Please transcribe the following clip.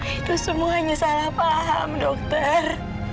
itu semua hanya salah paham dokter